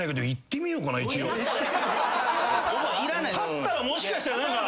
立ったらもしかしたら。